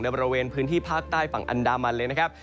บริเวณพื้นที่ภาคใต้ฝั่งอันดามันเลยนะครับ